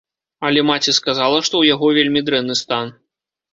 Але маці сказала, што ў яго вельмі дрэнны стан.